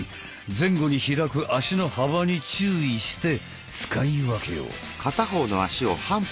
前後に開く足の幅に注意して使い分けよう！